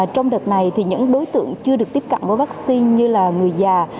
trong đợt này thì những đối tượng chưa được tiếp cận với vaccine như là người già